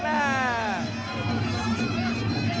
แล้ว